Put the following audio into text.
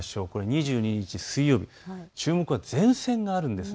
２２日水曜日前線があるんです。